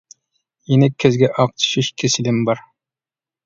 يېنىڭ كۆزگە ئاق چۈشۈش كېسىلىم بار.